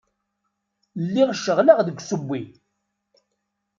Lliɣ ceɣleɣ deg usewwi.